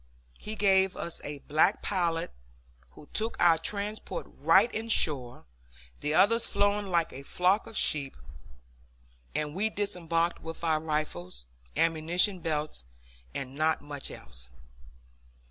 He gave us a black pilot, who took our transport right in shore, the others following like a flock of sheep; and we disembarked with our rifles, ammunition belts, and not much else.